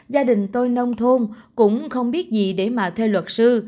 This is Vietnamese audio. gia đình tôi nông thôn cũng không biết gì để mà thuê luật sư